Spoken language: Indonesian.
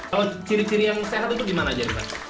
kalau ciri ciri yang sehat itu gimana jadi pak